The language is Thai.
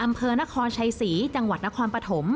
อำเภอนครชัยศรีจังหวัดนครปฐม